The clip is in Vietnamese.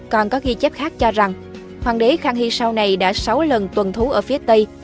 còn có ghi chép khác cho rằng hoàng đế khang hy sau này đã sáu lần tuần thú ở phía tây